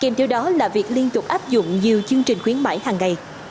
kèm theo đó là việc liên tục áp dụng nhiều chương trình khuyến mãi hàng ngày